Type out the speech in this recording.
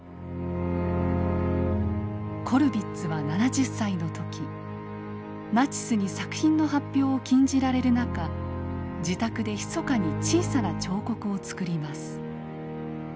コルヴィッツは７０歳の時ナチスに作品の発表を禁じられる中自宅でひそかに小さな彫刻を作ります。